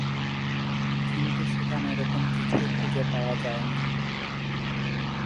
কিন্তু সেখানে এরকম কিছুই খুঁজে পাওয়া যায়নি।